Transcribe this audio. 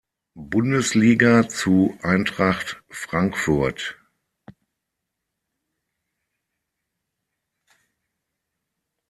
Bundesliga zu Eintracht Frankfurt.